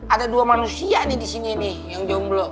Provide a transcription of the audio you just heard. ada dua manusia nih di sini nih yang jomblo